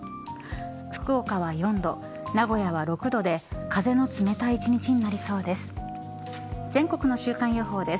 福岡は４度名古屋は６度で風の冷たい一日になりそうです。